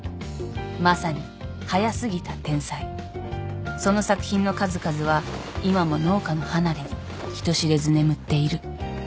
「まさに早すぎた天才」「その作品の数々は今も農家の離れに人知れず眠っている」